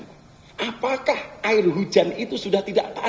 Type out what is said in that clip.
mengusirkan air hujan yang sudah tidak bisa